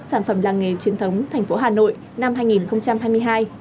sản phẩm làng nghề truyền thống thành phố hà nội năm hai nghìn hai mươi hai